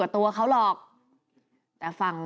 แป๊บหนึ่ง